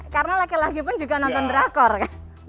karena laki laki pun juga nonton drakor kan